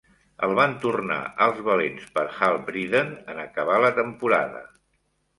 El van tornar als valents per Hal Breeden en acabar la temporada.